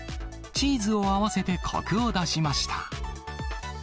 チーズを合わせてこくを出しました。